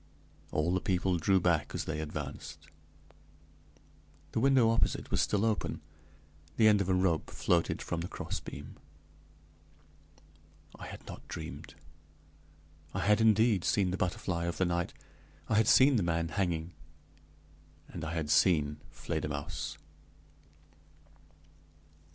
All the people drew back as they advanced. The window opposite was still open; the end of a rope floated from the crossbeam. I had not dreamed. I had, indeed, seen the butterfly of the night; I had seen the man hanging, and I had seen Fledermausse.